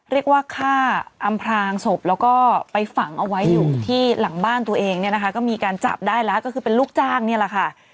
เรียกว่าฆ่าอำพลางศพแล้วก็ไปฝังเอาไว้อยู่ที่หลังบ้านตัวเองเนี่ยนะคะก็มีการจับได้แล้วก็คือเป็นลูกจ้างนี่แหละค่ะ